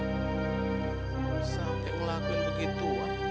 bisa apa yang ngelakuin begitu